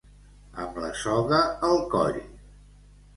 Amb la soga al coll.